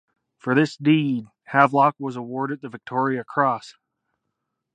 For this deed, Havelock was awarded the Victoria Cross.